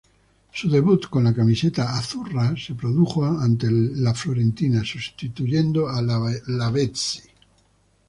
Su debut con la camiseta "azzurra" se produjo ante la Fiorentina, sustituyendo a Lavezzi.